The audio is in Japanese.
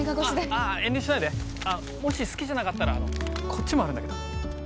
あぁ遠慮しないでもし好きじゃなかったらこっちもあるんだけど。